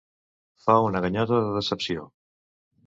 Fa una ganyota de decepció.